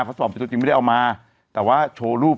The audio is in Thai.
เขาสอบเป็นตัวจริงไม่ได้เอามาแต่ว่าโชว์รูป